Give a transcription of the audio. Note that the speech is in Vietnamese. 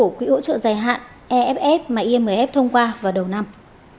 của quỹ hỗ trợ dài hạn eff mà imf thông qua vào đầu năm